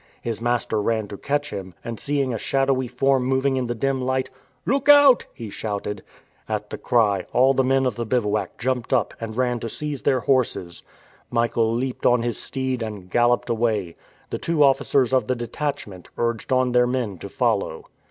His master ran to catch him, and seeing a shadowy form moving in the dim light, "Look out!" he shouted. At the cry, all the men of the bivouac jumped up, and ran to seize their horses. Michael leaped on his steed, and galloped away. The two officers of the detachment urged on their men to follow.